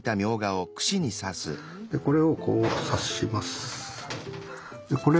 でこれをこう刺します。